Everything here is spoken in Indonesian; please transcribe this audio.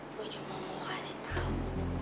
gue cuma mau kasih tahu